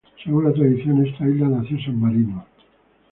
Según la tradición, en esta isla nació San Marino.